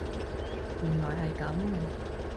原來係咁